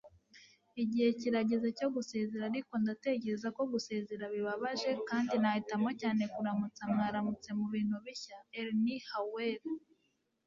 igihe kirageze cyo gusezera, ariko ndatekereza ko gusezera bibabaje kandi nahitamo cyane kuramutsa mwaramutse kubintu bishya - ernie harwell